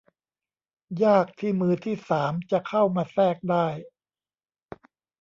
ยากที่มือที่สามจะเข้ามาแทรกได้